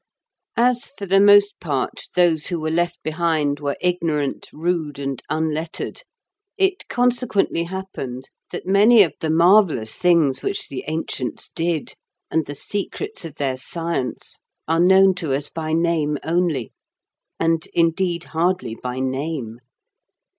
As, for the most part, those who were left behind were ignorant, rude, and unlettered, it consequently happened that many of the marvellous things which the ancients did, and the secrets of their science, are known to us by name only, and, indeed, hardly by name.